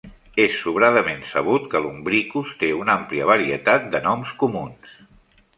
És sobradament sabut que "Lumbricus" té una àmplia varietat de noms comuns.